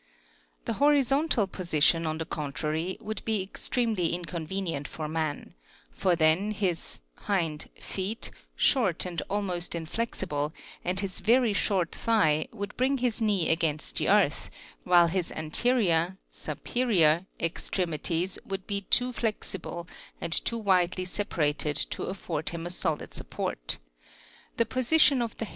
6. The horizontal position, on the contrary, would be extremely inconvenient for man, for then his (hind) feet, short and almost inflexible, and his very short thigh, would bring his knee against the earth, while his anterior (superior) extremities would be too flexible and too widely separated to afford him a solid support ; 5. What is the position of man